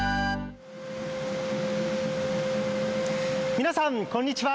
皆さん、こんにちは。